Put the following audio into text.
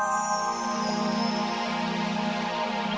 aku nuna dei ngelesin mukpa' di perisian